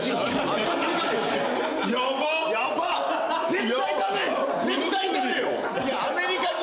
絶対ダメよ！